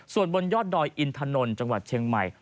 ส่วนบนยอดดอยอินถนนจังหวัดเชียงใหม่